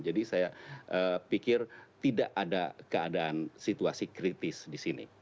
jadi saya pikir tidak ada keadaan situasi kritis di sini